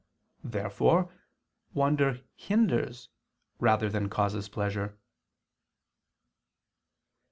Therefore wonder hinders rather than causes pleasure.